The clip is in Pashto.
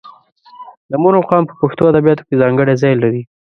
د مور مقام په پښتو ادبیاتو کې ځانګړی ځای لري.